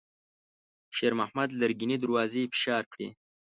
شېرمحمد لرګينې دروازې فشار کړې.